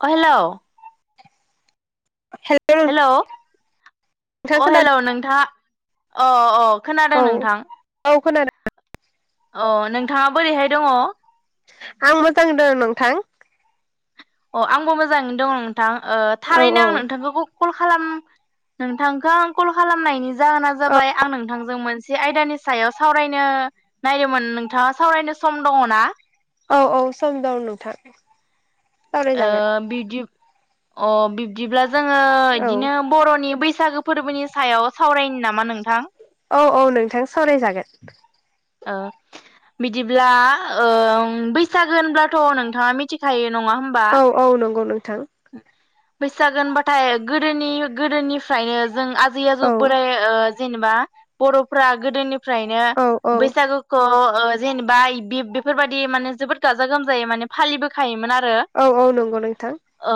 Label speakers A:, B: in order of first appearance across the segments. A: अ hello
B: hello
A: hello
B: नोंथां
A: अ hello
B: खोनादों
A: नोंथाङा अ अ खोनादों
B: औ
A: नोंथां
B: औ खोनादों
A: अ नोंथाङा बोरैहाय दङ
B: आं मोजांदों नोंथां
A: अ आंबो मोजाङैनो दङ नोंथां ओ
B: औ
A: थारैनो
B: औ
A: आं नोंथांखौ कल खालाम नोंथांखौ आ कल खालामनायनि जाहोना
B: औ
A: जाबाय आं नोंथांजों मोनसे आयदानि सायाव सावरायनो नायदोंमोन नोंथाङा सावरायनो सम दङना
B: औ औ सम दं नोंथां
A: ओ
B: सावरायजागोन
A: बिब्दि अ बिब्दिब्ला जोङो
B: औ
A: इदिनो बर'नि बैसागो फोरबोनि सायाव सावरायनि नामा नोंथां
B: औ औ नोंथां सावरायजागोन
A: ओ बिदिब्ला ओम बैसागोहोनब्लाथ' नोंथाङा मिथिखायो नङा होमबा
B: औ औ नंगौ नोंथां
A: बैसागो होनबाथाय गोदोनि गोदोनिफ्रायनो जों आ आदै आजौ
B: औ
A: बोराय ओ जेनेबा बर'फ्रा गोदोनिफ्रायनो
B: औ औ
A: बैसागो खौ ओ जेनेबा बे बेफोरबायदि माने जोबोद गाजा गोमजायै माने फालिबोखायोमोन आरो
B: औ औ नंगौ नोंथां
A: ओ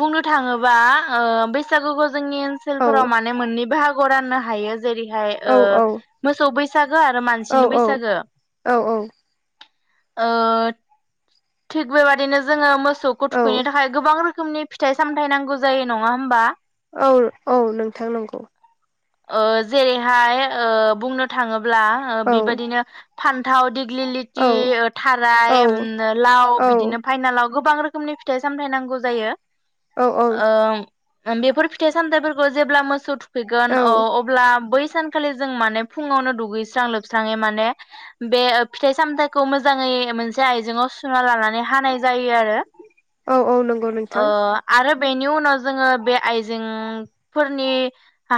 A: बुंनो थाङोबा ओ बैसागुखौ जोंनि
B: औ
A: ओनसोलफोराव माने मोननै बाहागो आव राननो हायो जेरैहाय
B: औ औ
A: मोसौ बैसागो आरो
B: औ
A: मानसिनि बैसागो
B: औ
A: ओ थिग बेबादिनो जोङो मोसौखौ
B: औ
A: थुखैनो थाखाय गोबां रोखोमनि फिथाइ सामथाइ नांगौ जायो नङा होमबा
B: औ औ नोंथां नंगौ।
A: ओ जेरैहाय ओ बुंनो थाङोब्ला ओ
B: औ
A: बेबायदिनो फान्थाव, दिग्लि
B: औ
A: लिथि, ओ
B: औ
A: थाराय, उम लाव
B: औ
A: बिदिनो फाइनालाव गोबां रोखोमनि फिथाइ सामथाइ नांगौ जायो
B: औ
A: ओ बेफोर फिथाइ सामथाइफोरखौ जेब्ला मोसौ थुखैगोन
B: औ
A: ओ अब्ला बै सान खालि जों माने फुङावनो दुगैस्रां लोबस्राङै माने बे फिथाइ सामथाइखौ मोजाङै मोनसे आयजेंआव सुना लानानै हानाय जायो आरो।
B: औ औ नंगौ नों
A: ओ आरो बेनि उनाव जोङो बे आइजेंफोरनि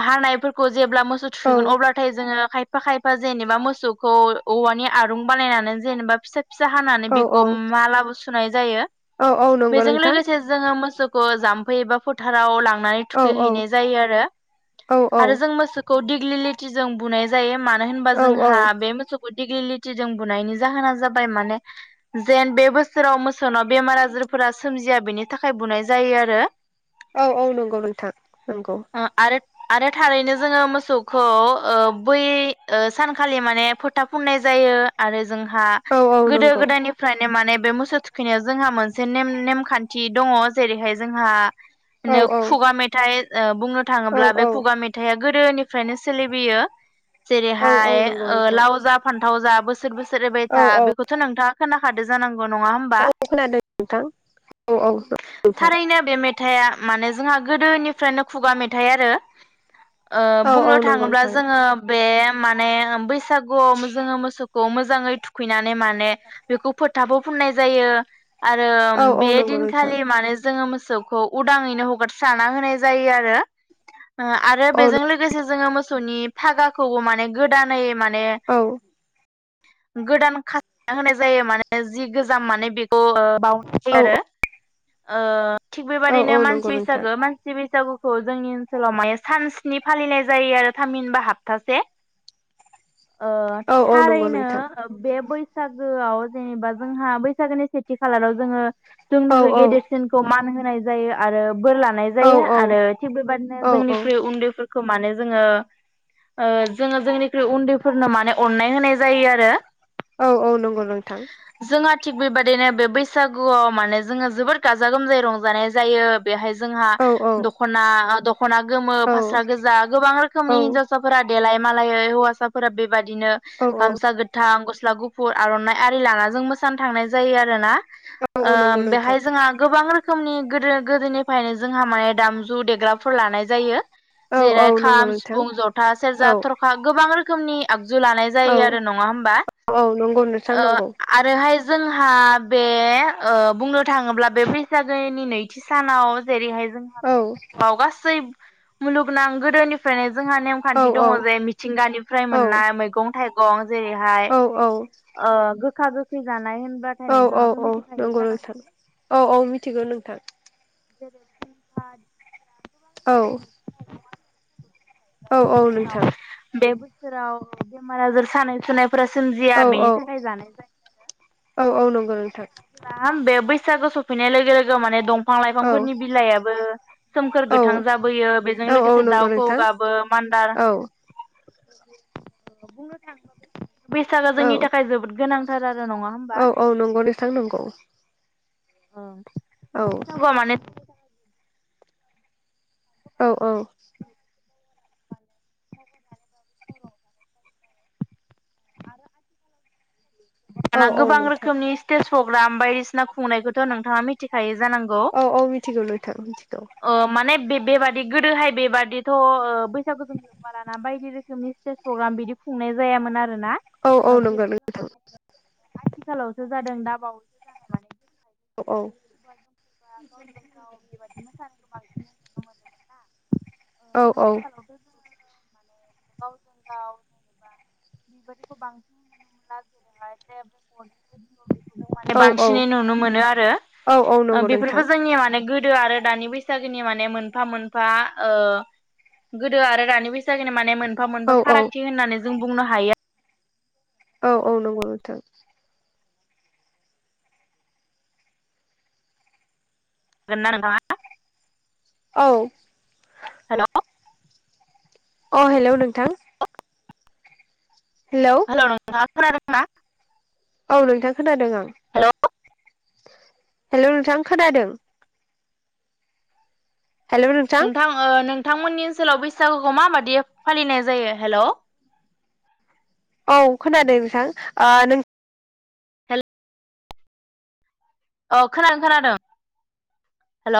A: हानायफोर खौ जेब्ला मोसौ
B: औ
A: थुखैगोन अब्लाथाय जोङो खाय फा खायफा जेनेबा मोसौखौ औवानि आरुं बानायनानै जेनेबा फिसा फिसा हानानै
B: औ
A: बेखौ मालाबो सुनाय जायो।
B: औ औ नं
A: बेजों लोगोसे जोङो मोसौखौ जाम्फै एबा फो थाराव लांनानै
B: औ औ
A: थुखैहैनाय जायो आरो।
B: औ
A: आरो जों
B: औ
A: मोसौखौ दिग्लिलिटि जों बुनाय जायो मानो होनबा
B: औ
A: जोंहा
B: औ
A: बे मोसौ दिग्लिलिथिजों बुनायनि जाहोना जाबाय माने जेन बे बो सोराव मोसौनाव बेमार आजारफोरा सोमजिया बेनि थाखाय बुनाय जायो आरो।
B: औ औ नंगौ नोंथां नंगौ।
A: ओ आरो आरो थारैनो जोङो मोसौखौ ओ बै ओ सानखालि माने फोथा फुननाय जायो आरो जोंहा
B: औ औ
A: गोदो
B: नंगौ
A: गोदायनिफ्रायनो माने बे मोसौ थुखैनायाव जोंहा मोनसे नेम नेमखान्थि दङ जेरैहाय जोंहा
B: औ
A: नो
B: औ
A: खुगा मेथाइ ओ बुंनो
B: औ
A: थाङोब्ला बे
B: औ
A: खुगा मेथाइया गोदोनि फ्रायनो सोलिबोयो
B: औ औ
A: जेरैहाय
B: नंगौ
A: ओ
B: नोंथां
A: लाव जा फान्थाव जा बोसोर बोसोर एरबाय
B: औ
A: था
B: औ
A: बेखौथ' नोंथाङा खोनाखादों जानांगौ नङा होमबा?
B: औ खोनादों नोंथां। औ औ नोंथां
A: थारैनो बे मेथाइआ माने जोंहा गोदोनिफ्रायनो खुगा मेथाइ आरो ओ
B: औ औ
A: बुंनो
B: नंगौ
A: थाङोब्ला
B: नोंथां
A: जोङो बे माने बैसागुआव जोङो मोसौखौ मोजाङै थु खैनानै माने बेखौ फोथाबो फुननाय जायो आरो
B: औ औ
A: बे
B: नंगौ नोंथां
A: दिनखालि मानोे जोङो मोसौ खौ उदाङैनो हगारस्राना होनाय जायो आरो। आरो
B: औ
A: बेजों लोगोसे जोङो मोसौनि फागाखौ माने गोदानै माने
B: औ।
A: गोदान [unintelligible] होनाय जायो माने जि गोजाम माने बेखौ
B: औ
A: [unintelligible] ओ थिग
B: औ औ
A: बेबादिनो
B: नंगौ
A: मानसि
B: नोंथां
A: बैसागो मान सि बैसागुखौ जोंनि ओनसोलाव माने सान स्नि फालिनाय जायो आरो थामहिनबा हाबथासे। ओ
B: औ औ नंगौ
A: थारैनो
B: नोंथां
A: ओ बे बैसागोआव जेनेबा जोंहा बैसागोनि सेथि खालाराव जोङो
B: औ
A: जोंनिख्रुय
B: औ
A: गेदेरसिनखौ मान होनाय जायो आरो बोर लानाय
B: औ
A: जायो
B: औ
A: आरो थिग बेबायदिनो
B: औ
A: जोंनिख्रुय उन्दैफोर खौ माने जोङो ओ जोङो जोंनिख्रुइ उन्दैफोरनो माने अननाय होनाय जायो आरो।
B: औ औ नंगौ नोंथां।
A: जोंहा थिग बेबायदिनो बे बैसागुआव माने जोङो जोबोर गाजा गोमजायै रंजानाय जायो बेहाय जोंहा
B: औ औ
A: दख'ना दख'ना गोमो
B: औ
A: फास्रा गोजा गोबां
B: औ
A: रोखोमनि हिनजाव साफोरा देलाय मालायै हौवासाफोरा बेबायादिनो
B: औ
A: गामसा [unintelligible] गोथां गस्ला गुफुर आर'नाइ आरि लानााजों मोसानो थांनाय जायो आरोना। ओ
B: नंगौ नोंथां
A: बेहाय जोंहा गोबां [unintelligible] रोखोमनि गोदो गोदोनिफ्रायनो जोंहा माने दामजु देग्राफोर लानाय जायो।
B: औ औ
A: [inaudible]
B: नंगौ
A: खाम
B: नोंथां
A: सिफुं जथा
B: औ
A: सेरजा थरखा गोबां रोखोमनि आगजु लानाय
B: औ
A: जायो आरो नङा होमबा?
B: औ नंगौ नोंथां
A: ओ
B: नंगौ
A: आरोहाय जोंहा बे ओ बुंनो थाङोब्ला बे बैसागोनि नैथि सानाव जेरैहाय जों
B: औ
A: [inaudible] गासै मुलुगनां गोदोनिफ्रायनो जोंहा नेम
B: औ
A: खान्थि दं
B: औ
A: जे मिथिंगानिफ्राइ
B: औ
A: मोननाय मैगं अ जेरैहाय
B: औ औ
A: ओ गोखा गोखै जानाय होनबा
B: औ-औ-औ नंगौ नोंथां औ-औ मिथिगौ नोंथां
A: [inaudible]
B: औ औ
A: औ
B: नोंथां
A: बे बोसोराव बेमार आजार सानाय सुनाय फोरा
B: औ
A: सोमजिया
B: औ
A: बेनि थाखाय जानाय जायो। आरो
B: औ औ नंगौ नोंथां।
A: होम बे बैसागो सफैनाय लोगो लोगो माने दंफां
B: औ
A: लाइफांफोरनि बिलाइयाबो सोमखोर गोथां
B: औ
A: जाबोयो बेजों
B: औ औ
A: लोगोसे
B: नंगौ
A: दाउखौवौ
B: नोंथां
A: गाबो मान्दार
B: औ
A: बुंनो थाङोब्ला बे बैसागुआ
B: औ
A: जोंनि थाखाय जोबोद गोनांथार आरो नङा होमबा
B: औ औ नंगौ नोथां नंगौ। औ
A: बैसागुआ माने
B: औ औ
A: आरो आसिन काथि
B: औ
A: [unintelligible]
B: औ
A: गोबां
B: नोंथां
A: रोखोमनि स्टेज प्रग्राम बायदिसिना खुंनायखौथ' नोंथाङा मिथिखायो जानांगौ।
B: औ औ मिथिगौ नोथां मिथिगौ।
A: अ माने बे बेबादि गोदोहाय बेबादिथ' ओ बैसागु जो बाराना बायदि रोखोमनि स्टेज प्रग्राम बिदि खुंनाय जायामोन आरो ना।
B: औ औ नंगौ नोंथां।
A: आथिखालावसो जादों दाबाव
B: औ औ
A: खुगा गावजों गाव बेबादि मोसानायखौ बांसिनै नुनो मोनोमोन ना ओ
B: औ औ।
A: आथिखालावथ' जोङो माने गावजों गाव जेनेबा बिबादिखौ बांसिनै माने
B: औ औ
A: बांसिनै नुनो मोनो आरो
B: औ औ
A: ओ
B: नंगौ
A: बेफोरबो
B: नोंथां
A: जोंनिया माने गोदो आरो दानि बैसागोनि माने मोनफा मोनफा ओ गोदो आरो रानि बैसागोनि माने मोनफा
B: औ
A: मोनफा
B: औ
A: फारागथि होननानै जों बुंनो हायो।
B: औ औ नंगौ नोंथां।
A: [unintelligible]
B: औ
A: हेलौ
B: अ हेलौ नोंथां। हेलौ
A: हेल' नोंथां खोनादोंना?
B: औव नोंथां खोनादों आं
A: हेलौ
B: हेल' नोंथां खोनादों?
A: नोंथां ओ नोंथांमोननि ओनसोलाव बैसागुखौ माबायदि फालिनाय जायो हेल'।
B: औ खोनादों नोंथां ओ नों
A: हेल औ खोनादों खोनादों। हेल'